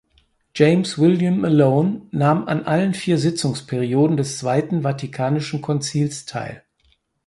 James William Malone nahm an allen vier Sitzungsperioden des Zweiten Vatikanischen Konzils teil.